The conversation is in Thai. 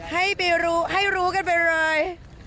ให้รู้กันไปเลย